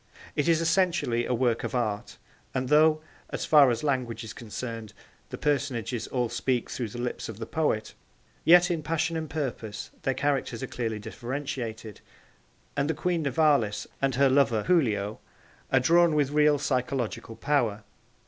It is essentially a work of art, and though, as far as language is concerned, the personages all speak through the lips of the poet, yet in passion and purpose their characters are clearly differentiated, and the Queen Nivalis and her lover Giulio are drawn with real psychological power.